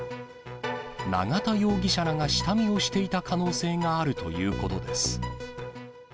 永田容疑者らが下見をしていた可能性があるということです。